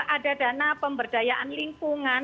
ada dana pemberdayaan lingkungan